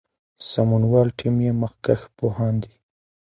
سمونوال ټیم یې مخکښ پوهان دي.